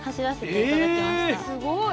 すごい！